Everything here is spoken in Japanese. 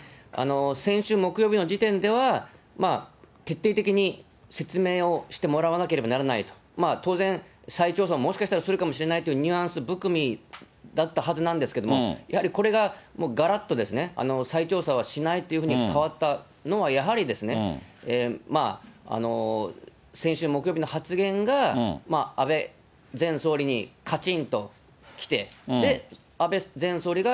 先週木曜日の時点では、徹底的に説明をしてもらわなければならないと、当然、再調査をもしかしたらするかもしれないというニュアンス含みだったはずなんですけれども、やはりこれががらっと再調査はしないというふうに変わったのはやはりですね、先週木曜日の発言が安倍前総理にかちんと来て、で、安倍前総理が